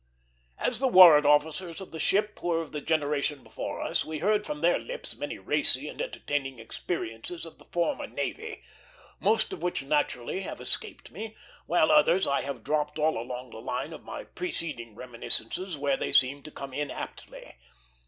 As the warrant officers of the ship were of the generation before us, we heard from their lips many racy and entertaining experiences of the former navy, most of which naturally have escaped me, while others I have dropped all along the line of my preceding reminiscences where they seemed to come in aptly.